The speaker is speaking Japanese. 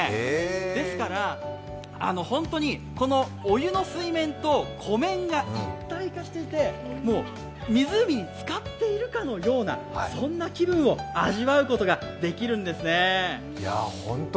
ですから、本当にこのお湯の水面と湖面が一体化していて湖につかっているかのような、そんな気分を味わうことができるんですね。